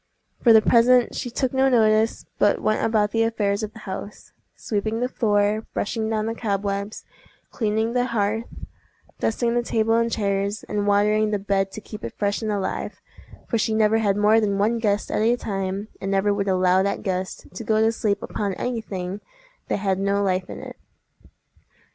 For the present she took no notice, but went about the affairs of the house, sweeping the floor, brushing down the cobwebs, cleaning the hearth, dusting the table and chairs, and watering the bed to keep it fresh and alive—for she never had more than one guest at a time, and never would allow that guest to go to sleep upon any thing that had no life in it.